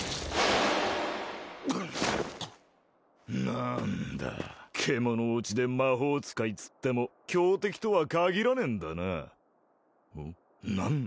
なーんだ獣堕ちで魔法使いっつっても強敵とは限らねえんだなうん？